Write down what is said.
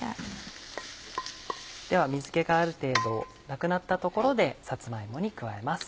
では水気がある程度なくなったところでさつま芋に加えます。